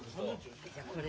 じゃこれ。